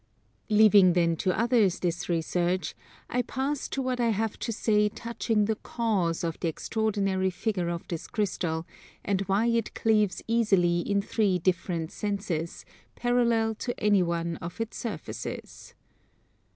Leaving then to others this research, I pass to what I have to say touching the cause of the extraordinary figure of this crystal, and why it cleaves easily in three different senses, parallel to any one of its surfaces.